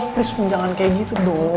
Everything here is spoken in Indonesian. please pun jangan kayak gitu dong